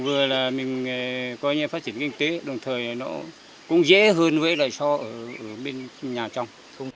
vừa là mình coi như phát triển kinh tế đồng thời nó cũng dễ hơn với lại so ở bên nhà trong